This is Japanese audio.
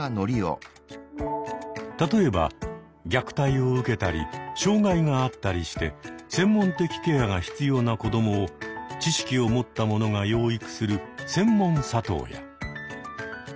例えば虐待を受けたり障害があったりして専門的ケアが必要な子どもを知識を持った者が養育する「専門里親」。